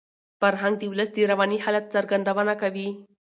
فرهنګ د ولس د رواني حالت څرګندونه کوي.